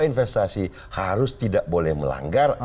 investasi harus tidak boleh melanggar